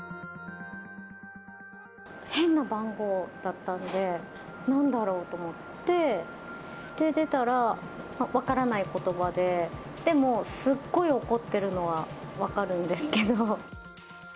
変な番号だったんで、なんだろうと思って、出たら、分からないことばで、でもすっごい怒ってるのは分かるんですけど。